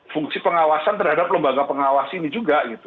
fungsi pengawasan terhadap lembaga pengawas ini juga gitu